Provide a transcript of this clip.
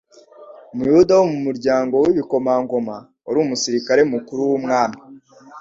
Umuyuda wo mu muryango w'ibikomangoma, wari umusirikari mukuru w'umwami,